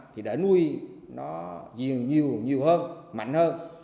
thì để nuôi nó nhiều nhiều nhiều hơn mạnh hơn